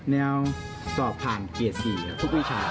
แนวสอบผ่านเกรด๔ทุกวิชา